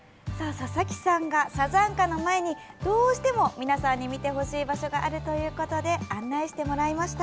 佐々木さんがサザンカの前にどうしても皆さんに見てほしい場所があるということで案内してもらいました。